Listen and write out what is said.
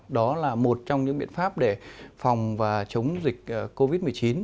đó là một trong những biện pháp để phòng và chống dịch covid một mươi chín